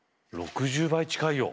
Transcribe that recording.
６０倍近いよ。